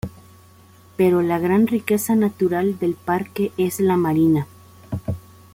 Pero la gran riqueza natural del parque es la marina.